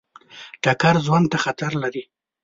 ټکر ژوند ته خطر لري.